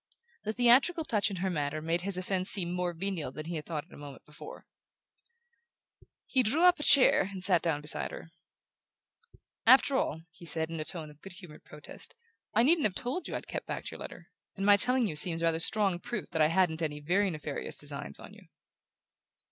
The theatrical touch in her manner made his offense seem more venial than he had thought it a moment before. He drew up a chair and sat down beside her. "After all," he said, in a tone of good humoured protest, "I needn't have told you I'd kept back your letter; and my telling you seems rather strong proof that I hadn't any very nefarious designs on you."